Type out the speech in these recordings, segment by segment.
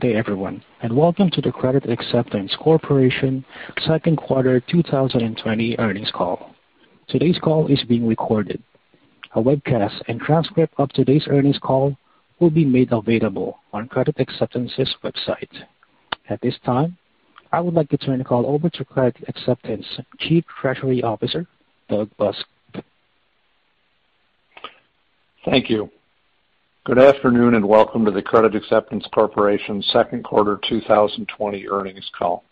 Good day everyone, and welcome to the Credit Acceptance Corporation second quarter 2020 earnings call. Today's call is being recorded. A webcast and transcript of today's earnings call will be made available on Credit Acceptance's website. At this time, I would like to turn the call over to Credit Acceptance Chief Treasury Officer, Doug Busk. Thank you. Good afternoon and welcome to the Credit Acceptance Corporation second quarter 2020 earnings call.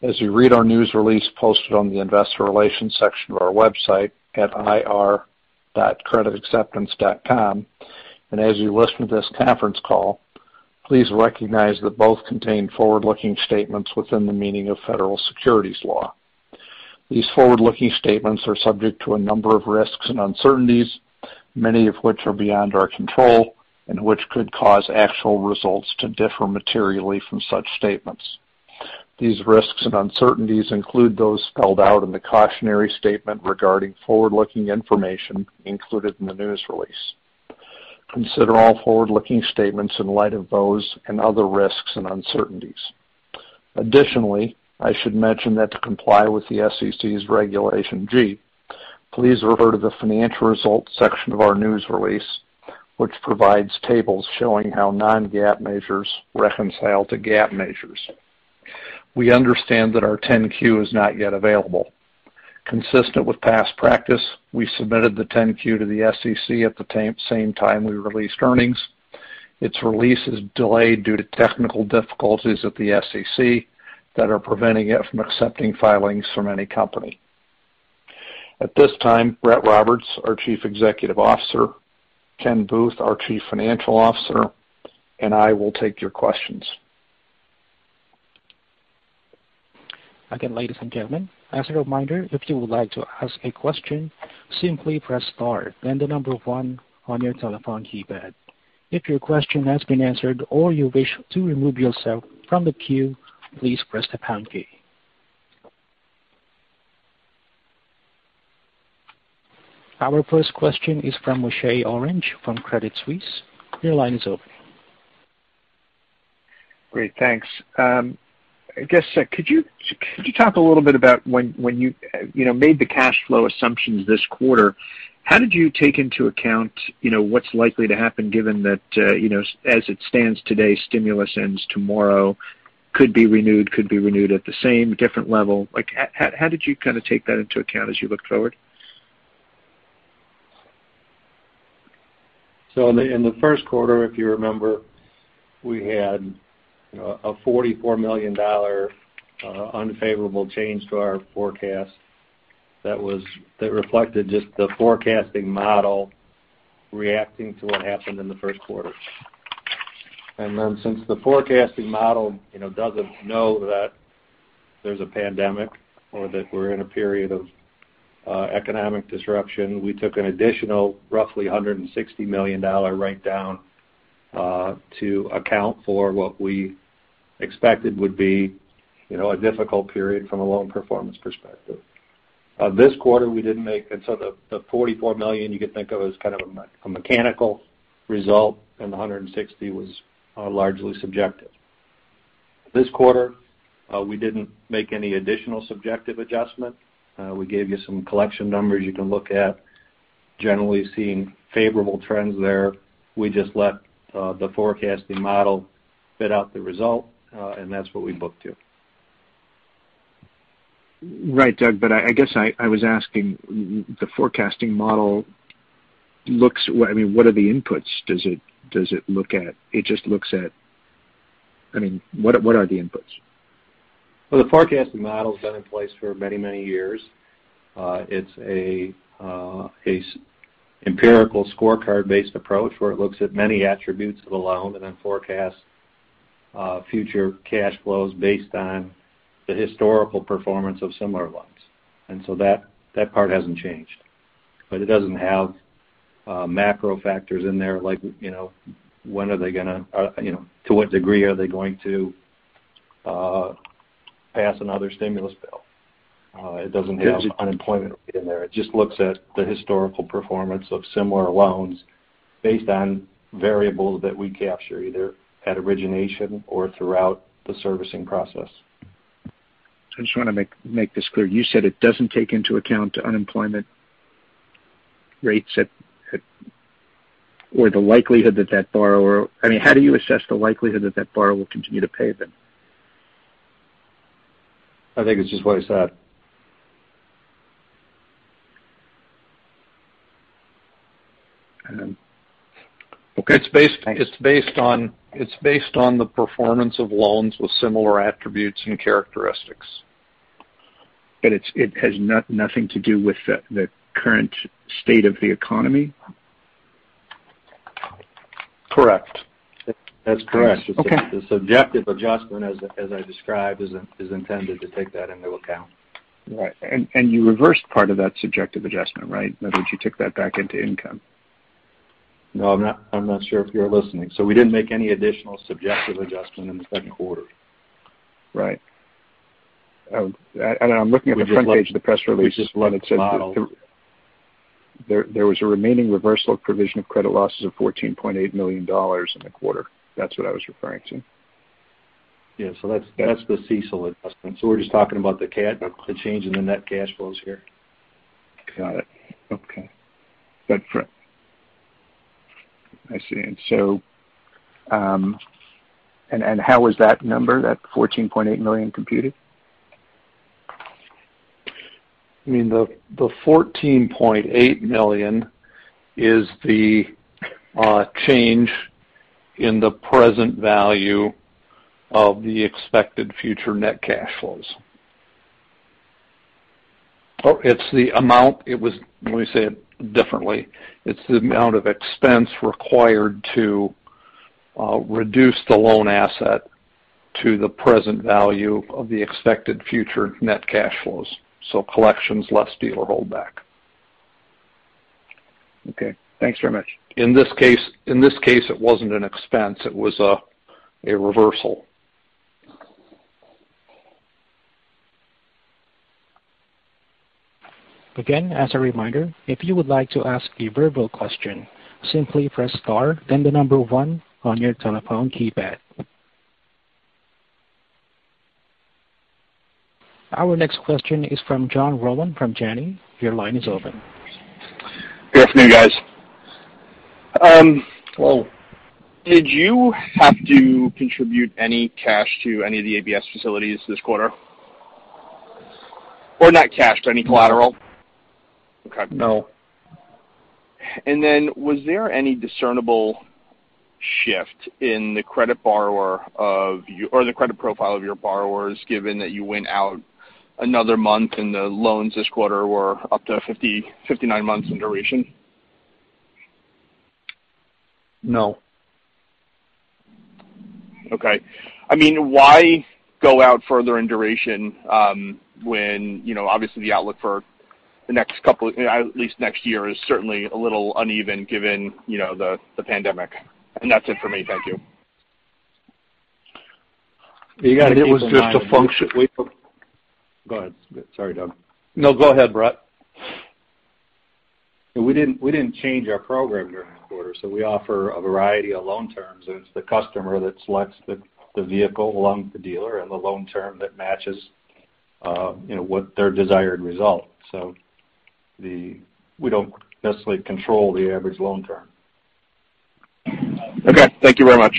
As you read our news release posted on the investor relations section of our website at ir.creditacceptance.com, and as you listen to this conference call, please recognize that both contain forward-looking statements within the meaning of Federal Securities law. These forward-looking statements are subject to a number of risks and uncertainties, many of which are beyond our control and which could cause actual results to differ materially from such statements. These risks and uncertainties include those spelled out in the cautionary statement regarding forward-looking information included in the news release. Consider all forward-looking statements in light of those and other risks and uncertainties. I should mention that to comply with the SEC's Regulation G, please refer to the financial results section of our news release, which provides tables showing how non-GAAP measures reconcile to GAAP measures. We understand that our 10-Q is not yet available. Consistent with past practice, we submitted the 10-Q to the SEC at the same time we released earnings. Its release is delayed due to technical difficulties at the SEC that are preventing it from accepting filings from any company. At this time, Brett Roberts, our Chief Executive Officer, Ken Booth, our Chief Financial Officer, and I will take your questions. Again, ladies and gentlemen, as a reminder, if you would like to ask a question, simply press star, then the number one on your telephone keypad. If your question has been answered or you wish to remove yourself from the queue, please press the pound key. Our first question is from Moshe Orenbuch from Credit Suisse. Your line is open. Great. Thanks. I guess, could you talk a little bit about when you made the cash flow assumptions this quarter, how did you take into account what's likely to happen given that, as it stands today, stimulus ends tomorrow, could be renewed, could be renewed at the same, different level? How did you kind of take that into account as you looked forward? In the first quarter, if you remember, we had a $44 million unfavorable change to our forecast that reflected just the forecasting model reacting to what happened in the first quarter. Since the forecasting model doesn't know that there's a pandemic or that we're in a period of economic disruption, we took an additional roughly $160 million write-down, to account for what we expected would be a difficult period from a loan performance perspective. The $44 million you could think of as kind of a mechanical result, and the $160 was largely subjective. This quarter, we didn't make any additional subjective adjustment. We gave you some collection numbers you can look at, generally seeing favorable trends there. We just let the forecasting model spit out the result, and that's what we booked to. Right, Doug, but I guess I was asking, the forecasting model, what are the inputs? What are the inputs? Well, the forecasting model's been in place for many, many years. It's an empirical scorecard-based approach where it looks at many attributes of the loan and then forecasts future cash flows based on the historical performance of similar loans. That part hasn't changed. It doesn't have macro factors in there, like to what degree are they going to pass another stimulus bill. It doesn't have unemployment in there. It just looks at the historical performance of similar loans based on variables that we capture either at origination or throughout the servicing process. I just want to make this clear. You said it doesn't take into account unemployment rates. How do you assess the likelihood that that borrower will continue to pay them? I think it's just what I said. Okay. It's based on the performance of loans with similar attributes and characteristics. It has nothing to do with the current state of the economy? Correct. That's correct. Okay. The subjective adjustment, as I described, is intended to take that into account. Right. You reversed part of that subjective adjustment, right? In other words, you took that back into income. No, I'm not sure if you were listening. We didn't make any additional subjective adjustment in the second quarter. Right. I'm looking at the front page of the press release. There was a remaining reversal of provision of credit losses of $14.8 million in the quarter. That is what I was referring to. Yeah. That's the CECL adjustment. We're just talking about the change in the net cash flows here. Got it. Okay. I see. How was that number, that $14.8 million, computed? The $14.8 million is the change in the present value of the expected future net cash flows. It's the amount, let me say it differently. It's the amount of expense required to reduce the loan asset to the present value of the expected future net cash flows, collections less dealer holdback. Okay. Thanks very much. In this case, it wasn't an expense, it was a reversal. Again, as a reminder, if you would like to ask a verbal question, simply press star, then the number one on your telephone keypad. Our next question is from John Rowan from Janney. Your line is open. Good afternoon, guys. Hello. Did you have to contribute any cash to any of the ABS facilities this quarter? Not cash, but any collateral? Okay. No. Was there any discernible shift in the credit profile of your borrowers, given that you went out another month and the loans this quarter were up to 59 months in duration? No. Okay. Why go out further in duration when, obviously the outlook for at least next year is certainly a little uneven given the pandemic. That's it for me. Thank you. You got to keep in mind. It was just a function- Go ahead. Sorry, Doug. No, go ahead, Brett. We didn't change our program during the quarter. We offer a variety of loan terms, and it's the customer that selects the vehicle along with the dealer and the loan term that matches what their desired result. We don't necessarily control the average loan term. Okay. Thank you very much.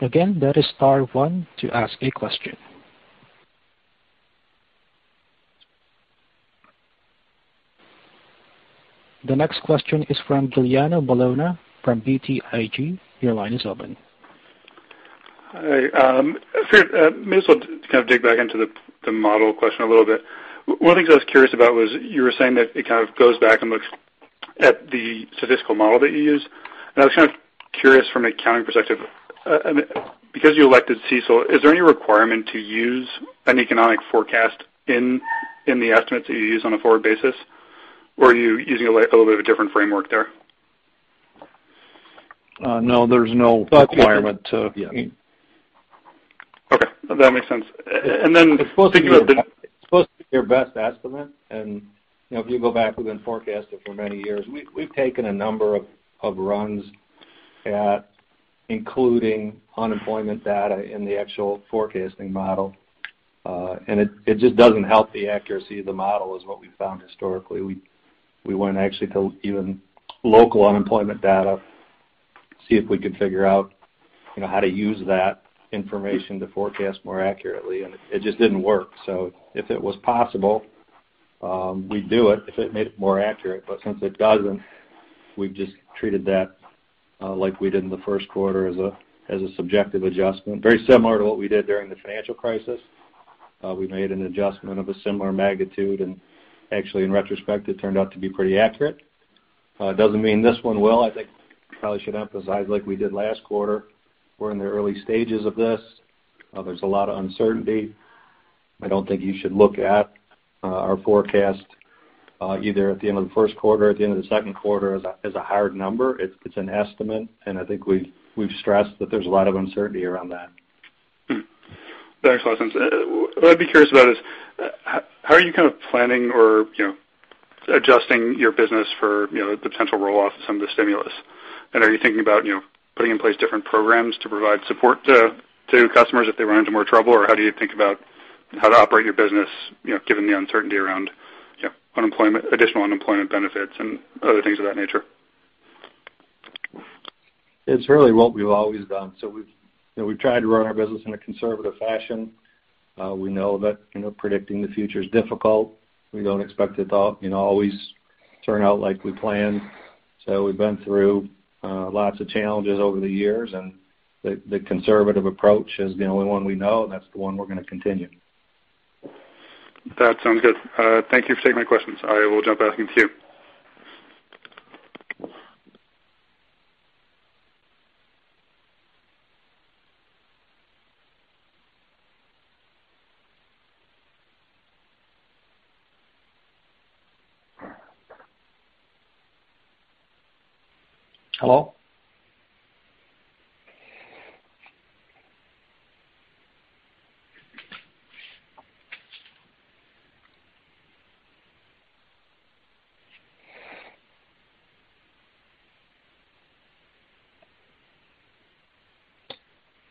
Again, that is star one to ask a question. The next question is from Giuliano Bologna from BTIG. Your line is open. Hi. May as well kind of dig back into the model question a little bit. One of the things I was curious about was you were saying that it kind of goes back and looks at the statistical model that you use, and I was kind of curious from an accounting perspective. Because you elected CECL, is there any requirement to use an economic forecast in the estimates that you use on a forward basis? Are you using a little bit of a different framework there? No, there's no requirement to. Okay. That makes sense. It's supposed to be your best estimate, and if you go back, we've been forecasting for many years. We've taken a number of runs at including unemployment data in the actual forecasting model. It just doesn't help the accuracy of the model is what we've found historically. We went actually to even local unemployment data to see if we could figure out how to use that information to forecast more accurately, and it just didn't work. If it was possible, we'd do it if it made it more accurate, but since it doesn't, we've just treated that like we did in the first quarter as a subjective adjustment. Very similar to what we did during the financial crisis. We made an adjustment of a similar magnitude, and actually, in retrospect, it turned out to be pretty accurate. It doesn't mean this one will. I think probably should emphasize, like we did last quarter, we're in the early stages of this. There's a lot of uncertainty. I don't think you should look at our forecast either at the end of the first quarter or at the end of the second quarter as a hard number. It's an estimate, and I think we've stressed that there's a lot of uncertainty around that. Thanks. What I'd be curious about is how are you kind of planning or adjusting your business for the potential roll-off of some of the stimulus? Are you thinking about putting in place different programs to provide support to customers if they run into more trouble, or how do you think about how to operate your business given the uncertainty around additional unemployment benefits and other things of that nature? It's really what we've always done. We've tried to run our business in a conservative fashion. We know that predicting the future is difficult. We don't expect it to always turn out like we planned. We've been through lots of challenges over the years, and the conservative approach is the only one we know, and that's the one we're going to continue. That sounds good. Thank you for taking my questions. I will jump off and queue. Hello?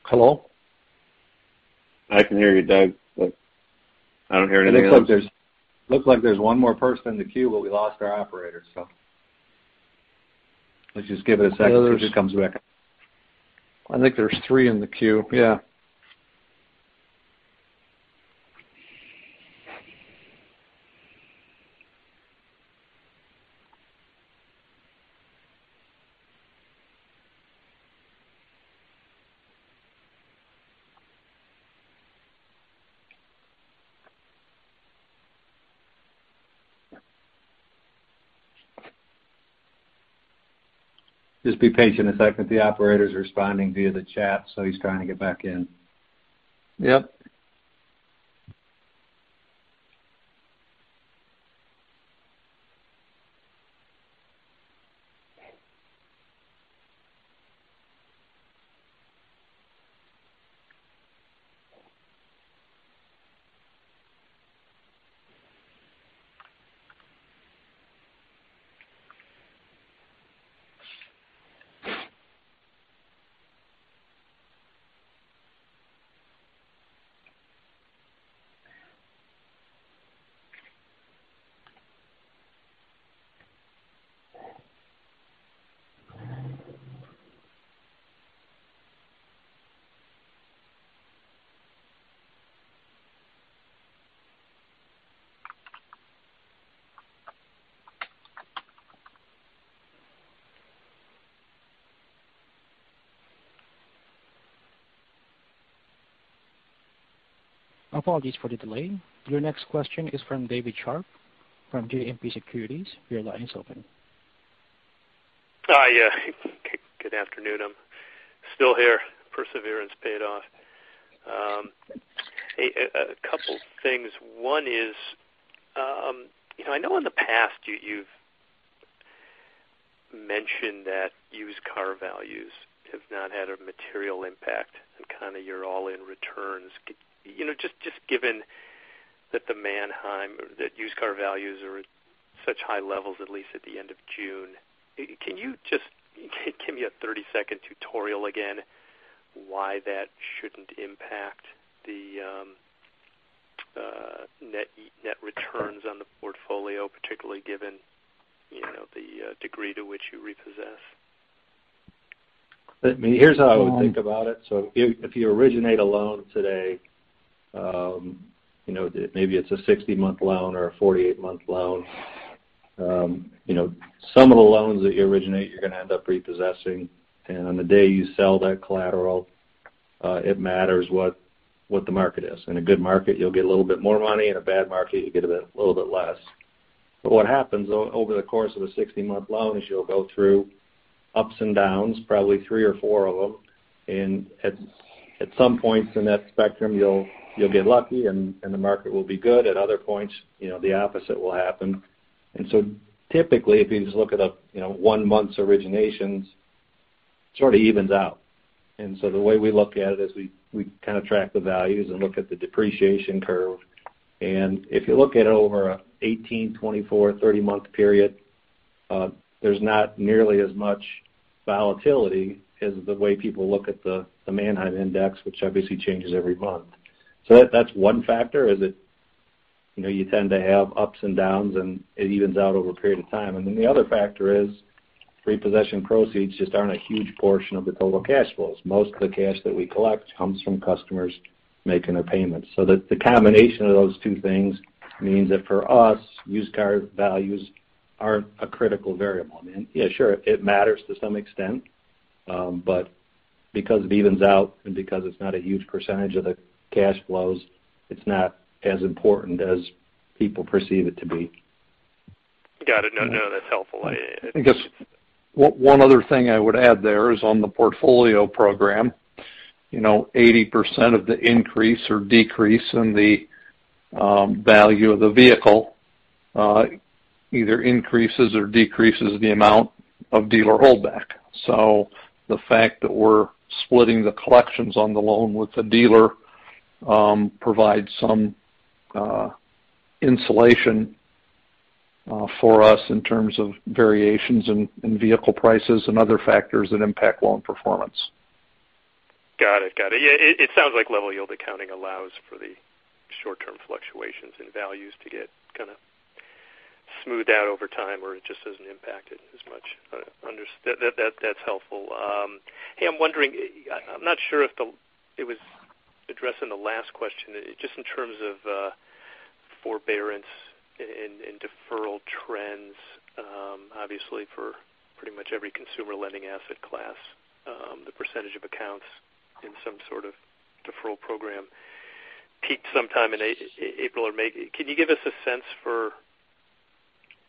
Hello? I can hear you, Doug, but I don't hear anything else. It looks like there's one more person in the queue, but we lost our operator. Let's just give it a second to see if it comes back. I think there's three in the queue. Yeah. Just be patient a second. The operator's responding via the chat, so he's trying to get back in. Yep. Apologies for the delay. Your next question is from David Scharf from JMP Securities. Your line is open. Hi. Good afternoon. I'm still here. Perseverance paid off. A couple things. One is, I know in the past you've mentioned that used car values have not had a material impact on kind of your all-in returns. Just given that the Manheim, that used car values are at such high levels, at least at the end of June, can you just give me a 30-second tutorial again why that shouldn't impact the net returns on the portfolio, particularly given the degree to which you repossess? Here's how I would think about it. If you originate a loan today, maybe it's a 60-month loan or a 48-month loan. Some of the loans that you originate, you're going to end up repossessing. On the day you sell that collateral, it matters what the market is. In a good market, you'll get a little bit more money. In a bad market, you'll get a little bit less. What happens over the course of a 60-month loan is you'll go through ups and downs, probably three or four of them, and at some points in that spectrum, you'll get lucky and the market will be good. At other points, the opposite will happen. Typically, if you just look it up, one month's originations sort of evens out. The way we look at it is we kind of track the values and look at the depreciation curve. If you look at it over an 18, 24, 30-month period, there's not nearly as much volatility as the way people look at the Manheim Index, which obviously changes every month. That's one factor is that you tend to have ups and downs, and it evens out over a period of time. The other factor is repossession proceeds just aren't a huge portion of the total cash flows. Most of the cash that we collect comes from customers making their payments. The combination of those two things means that for us, used car values aren't a critical variable. I mean, sure, it matters to some extent. Because it evens out and because it's not a huge percentage of the cash flows, it's not as important as people perceive it to be. Got it. No, that's helpful. I guess one other thing I would add there is on the Portfolio Program, 80% of the increase or decrease in the value of the vehicle either increases or decreases the amount of dealer holdback. The fact that we're splitting the collections on the loan with the dealer provides some insulation for us in terms of variations in vehicle prices and other factors that impact loan performance. Got it. It sounds like level yield accounting allows for the short-term fluctuations in values to get kind of smoothed out over time, or it just isn't impacted as much. That's helpful. Hey, I'm wondering, I'm not sure if it was addressed in the last question, just in terms of forbearance and deferral trends. Obviously, for pretty much every consumer lending asset class, the percentage of accounts in some sort of deferral program peaked sometime in April or May. Can you give us a sense for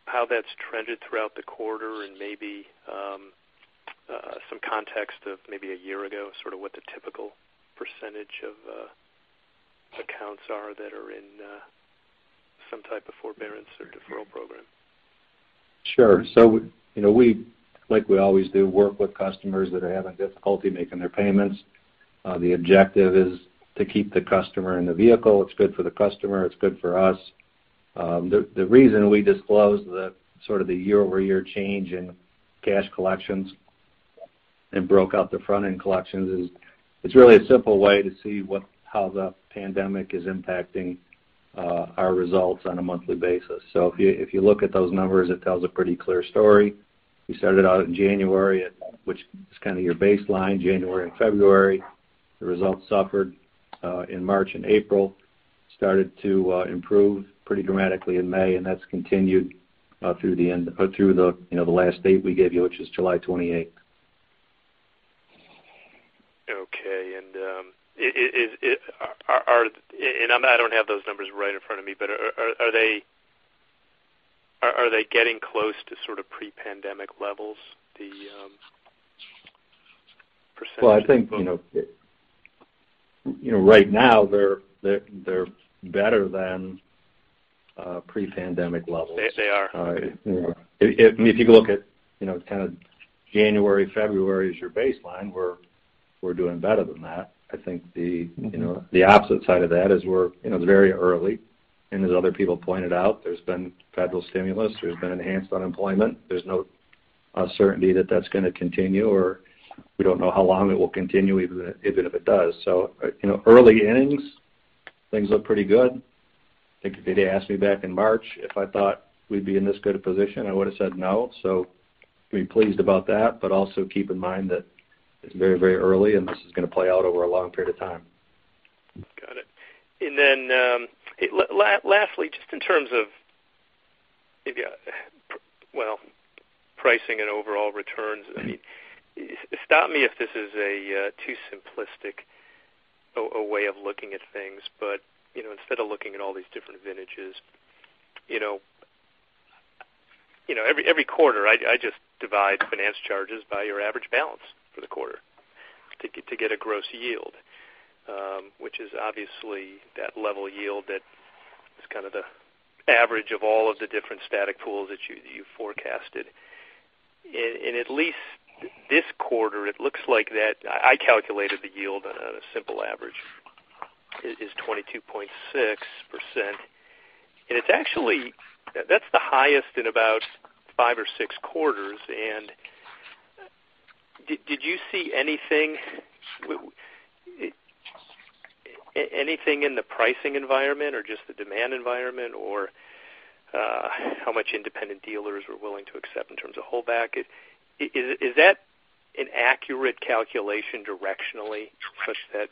how that's trended throughout the quarter and maybe some context of maybe a year ago, sort of what the typical percentage of accounts are that are in some type of forbearance or deferral program? Sure. We, like we always do, work with customers that are having difficulty making their payments. The objective is to keep the customer in the vehicle. It's good for the customer, it's good for us. The reason we disclosed the year-over-year change in cash collections and broke out the front-end collections is it's really a simple way to see how the pandemic is impacting our results on a monthly basis. If you look at those numbers, it tells a pretty clear story. We started out in January, which is kind of your baseline, January and February. The results suffered in March and April. Started to improve pretty dramatically in May, and that's continued through the last date we gave you, which is July 28th. Okay. I don't have those numbers right in front of me, but are they getting close to sort of pre-pandemic levels, the percentage? Well, I think, right now they're better than pre-pandemic levels. They are. If you look at kind of January, February as your baseline, we're doing better than that. I think the opposite side of that is It's very early, and as other people pointed out, there's been federal stimulus, there's been enhanced unemployment. There's no certainty that that's going to continue, or we don't know how long it will continue, even if it does. Early innings, things look pretty good. I think if you'd asked me back in March if I thought we'd be in this good a position, I would've said no. We're pleased about that, but also keep in mind that it's very early, and this is going to play out over a long period of time. Got it. Lastly, just in terms of maybe, well, pricing and overall returns. I mean, stop me if this is a too simplistic way of looking at things, but instead of looking at all these different vintages, every quarter, I just divide finance charges by your average balance for the quarter to get a gross yield, which is obviously that level yield that is kind of the average of all of the different static pools that you forecasted. In at least this quarter, it looks like that, I calculated the yield on a simple average, is 22.6%. It's actually, that's the highest in about five or six quarters. Did you see anything in the pricing environment or just the demand environment or how much independent dealers were willing to accept in terms of holdback? Is that an accurate calculation directionally, such that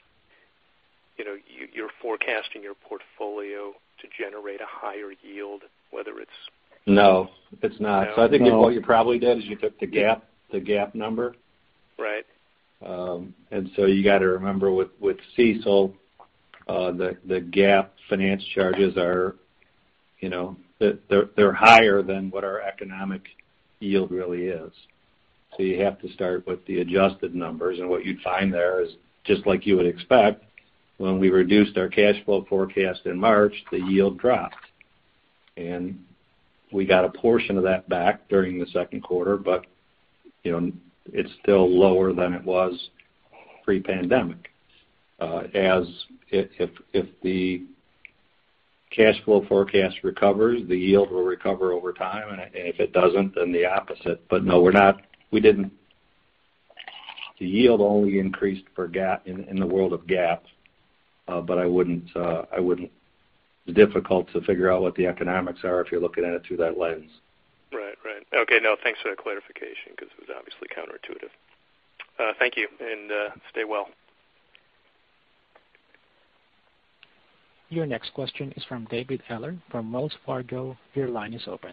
you're forecasting your portfolio to generate a higher yield, whether it's- No, it's not. No? I think what you probably did is you took the GAAP number. Right. You got to remember with CECL, the GAAP finance charges are higher than what our economic yield really is. You have to start with the adjusted numbers. What you'd find there is, just like you would expect, when we reduced our cash flow forecast in March, the yield dropped. We got a portion of that back during the second quarter, but it's still lower than it was pre-pandemic. If the cash flow forecast recovers, the yield will recover over time, and if it doesn't, then the opposite. No, the yield only increased in the world of GAAP. It's difficult to figure out what the economics are if you're looking at it through that lens. Right. Okay. No, thanks for that clarification because it was obviously counterintuitive. Thank you, and stay well. Your next question is from David Eller from Wells Fargo. Your line is open.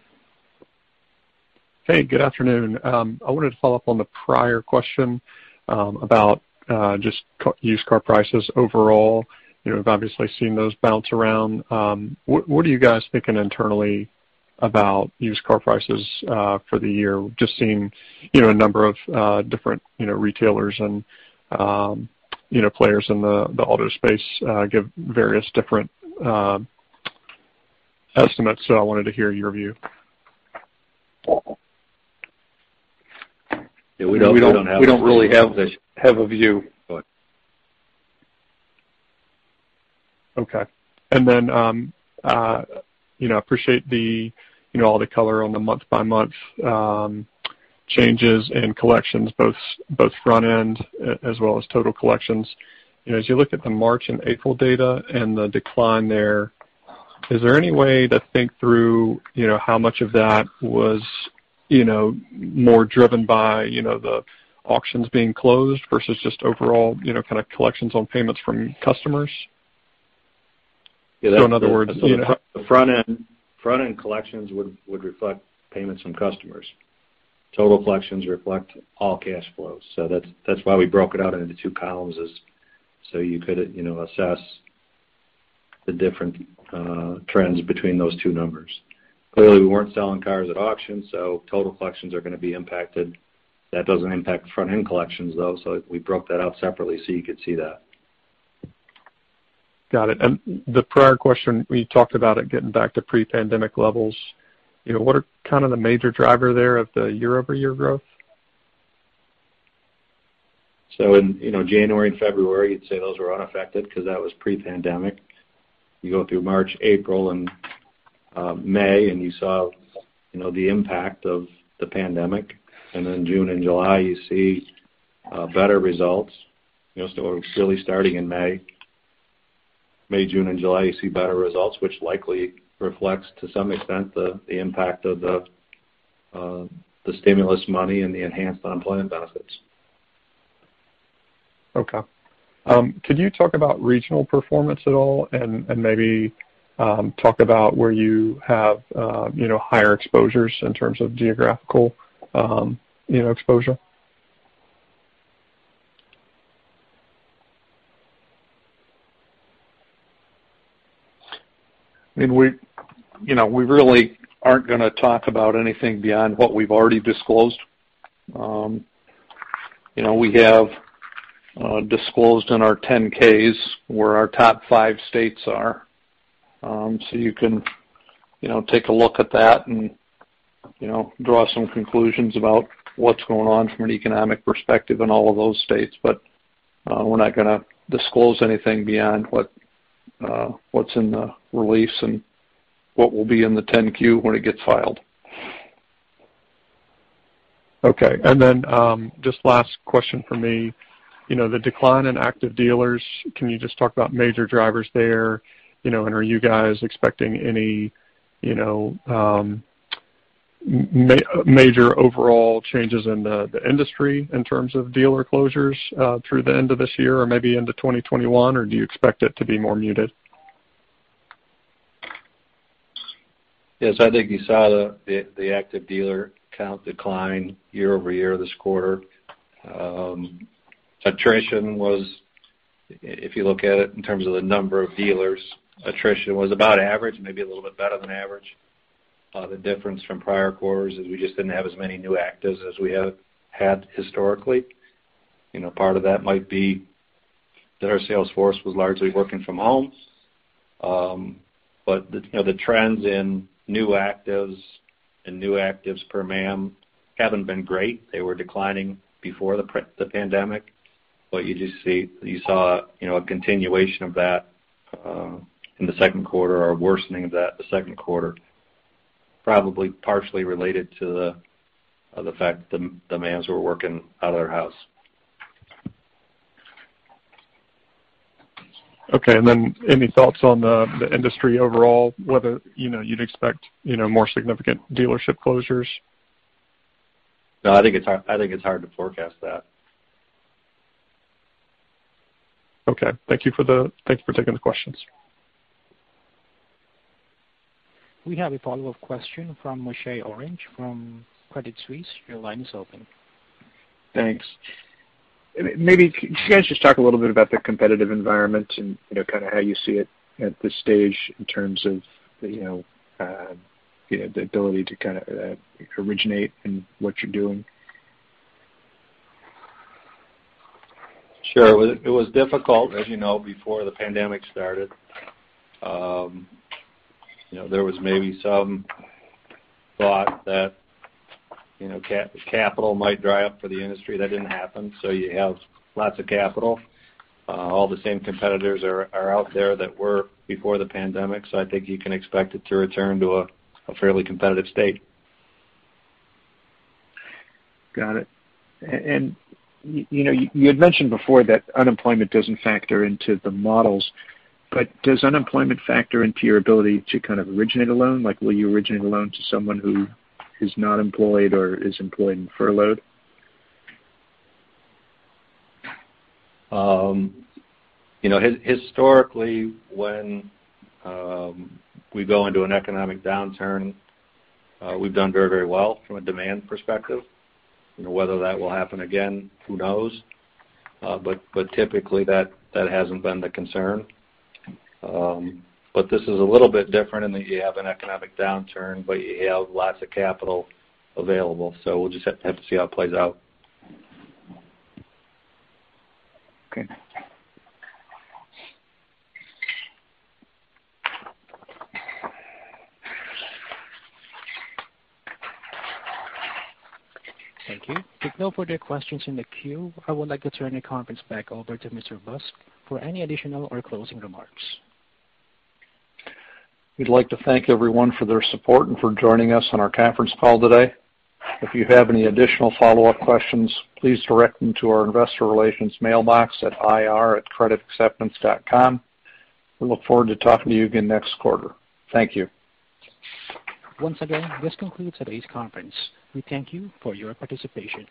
Hey, good afternoon. I wanted to follow up on the prior question about just used car prices overall. We've obviously seen those bounce around. What are you guys thinking internally about used car prices for the year? Just seeing a number of different retailers and players in the auto space give various different estimates. I wanted to hear your view. Yeah, we don't have a view. We don't really have a view. Okay. Appreciate all the color on the month-by-month changes in collections, both front end as well as total collections. As you look at the March and April data and the decline there, is there any way to think through how much of that was more driven by the auctions being closed versus just overall kind of collections on payments from customers? The front-end collections would reflect payments from customers. Total collections reflect all cash flows. That's why we broke it out into two columns is so you could assess the different trends between those two numbers. Clearly, we weren't selling cars at auction, so total collections are going to be impacted. That doesn't impact the front-end collections, though, so we broke that out separately so you could see that. Got it. The prior question, we talked about it getting back to pre-pandemic levels. What are kind of the major driver there of the year-over-year growth? In January and February, you'd say those were unaffected because that was pre-pandemic. You go through March, April, and May, and you saw the impact of the pandemic. Then June and July, you see better results. Really starting in May. May, June, and July, you see better results, which likely reflects, to some extent, the impact of the stimulus money and the enhanced unemployment benefits. Okay. Could you talk about regional performance at all, and maybe talk about where you have higher exposures in terms of geographical exposure? We really aren't going to talk about anything beyond what we've already disclosed. We have disclosed in our 10-Ks where our top five states are. You can take a look at that and draw some conclusions about what's going on from an economic perspective in all of those states. We're not going to disclose anything beyond what's in the release and what will be in the 10-Q when it gets filed. Okay. Just last question from me. The decline in active dealers, can you just talk about major drivers there? Are you guys expecting any major overall changes in the industry in terms of dealer closures through the end of this year or maybe into 2021, or do you expect it to be more muted? Yes, I think you saw the active dealer count decline year-over-year this quarter. If you look at it in terms of the number of dealers, attrition was about average, maybe a little bit better than average. The difference from prior quarters is we just didn't have as many new actives as we have had historically. Part of that might be that our sales force was largely working from home. The trends in new actives and new actives per MAM haven't been great. They were declining before the pandemic. You saw a continuation of that in the second quarter or worsening of that the second quarter, probably partially related to the fact the MAMS were working out of their house. Okay. Any thoughts on the industry overall, whether you'd expect more significant dealership closures? No, I think it's hard to forecast that. Okay. Thank you for taking the questions. We have a follow-up question from Moshe Orenbuch from Credit Suisse. Your line is open. Thanks. Maybe if you guys just talk a little bit about the competitive environment and kind of how you see it at this stage in terms of the ability to kind of originate in what you're doing. Sure. It was difficult, as you know, before the pandemic started. There was maybe some thought that capital might dry up for the industry. That didn't happen, so you have lots of capital. All the same competitors are out there that were before the pandemic, so I think you can expect it to return to a fairly competitive state. Got it. You had mentioned before that unemployment doesn't factor into the models. Does unemployment factor into your ability to kind of originate a loan? Will you originate a loan to someone who is not employed or is employed and furloughed? Historically, when we go into an economic downturn, we've done very well from a demand perspective. Whether that will happen again, who knows? Typically, that hasn't been the concern. This is a little bit different in that you have an economic downturn, but you have lots of capital available. We'll just have to see how it plays out. Okay. Thank you. With no further questions in the queue, I would like to turn the conference back over to Mr. Busk for any additional or closing remarks. We'd like to thank everyone for their support and for joining us on our conference call today. If you have any additional follow-up questions, please direct them to our investor relations mailbox at ir@creditacceptance.com. We look forward to talking to you again next quarter. Thank you. Once again, this concludes today's conference. We thank you for your participation.